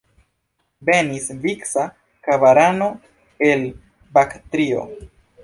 Venis vica karavano el Baktrio.